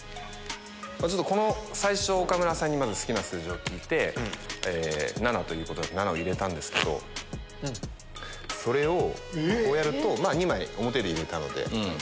最初岡村さんにまず好きな数字を聞いて７ということで７を入れたんですけどそれをこうやると２枚表で入れたので。